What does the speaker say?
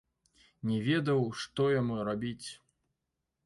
Не ведаў, што яму рабіць.